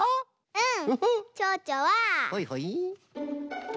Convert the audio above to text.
うん。